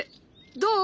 どう？